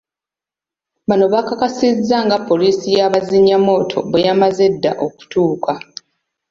Bano bakakasizza nga poliisi y'abazinyamooto bwe yamaze edda okutuuka.